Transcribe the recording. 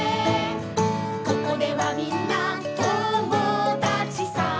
「ここではみんな友だちさ」